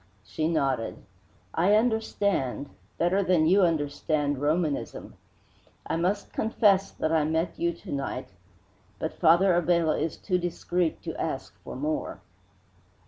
She nodded. "I understand better than you understand Romanism. I must confess that I met you to night, but Father Abella is too discreet to ask for more.